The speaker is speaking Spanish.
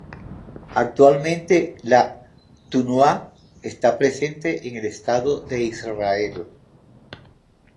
Actualmente, la "tnuá" está presente en el Estado de Israel.